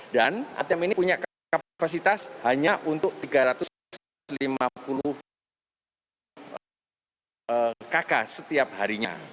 dan atm ini punya kapasitas hanya untuk tiga ratus lima puluh kakak setiap harinya